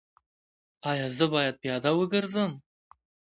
ایا زه باید پیاده وګرځم؟